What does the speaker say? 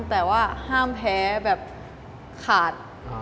แต่ว่าห้ามแพ้แบบขาด